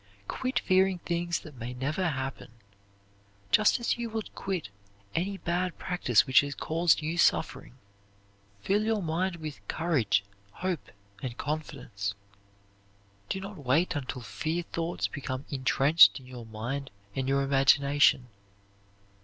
Quit fearing things that may never happen, just as you would quit any bad practise which has caused you suffering. Fill your mind with courage, hope, and confidence. Do not wait until fear thoughts become intrenched in your mind and your imagination.